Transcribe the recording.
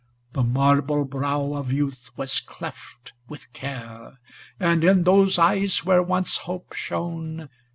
The marble brow of youth was cleft With care; and in those eyes where once hope shone.